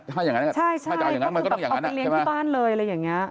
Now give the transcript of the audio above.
ถ้าอย่างนั้นก็เอาไปเลี้ยงที่บ้านเลยอะไรอย่างนี้